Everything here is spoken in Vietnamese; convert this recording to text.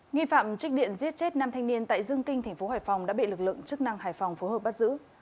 nghi phạm trích điện giết chết năm thanh niên tại dương kinh thành phố hải phòng đã bị lực lượng chức năng hải phòng phối hợp bắt giữ